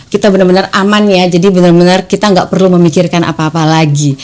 kita benar benar aman ya jadi benar benar kita nggak perlu memikirkan apa apa lagi